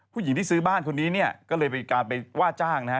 ผู้หญิงที่ซื้อบ้านคนนี้เนี่ยก็เลยไปการไปว่าจ้างนะฮะ